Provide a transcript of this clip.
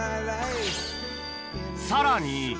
さらに。